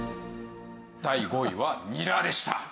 第５位はニラでした。